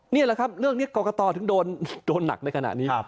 นี่แหละครับเรื่องนี้กรกตถึงโดนหนักในขณะนี้